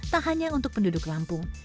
tak hanya untuk penduduk lampung